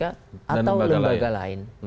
atau lembaga lain